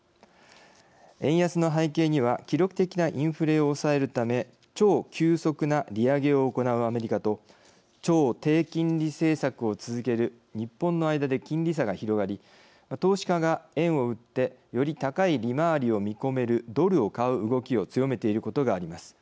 円安の背景には記録的なインフレを抑えるため超急速な利上げを行うアメリカと超低金利政策を続ける日本の間で金利差が広がり投資家が円を売ってより高い利回りを見込めるドルを買う動きを強めていることがあります。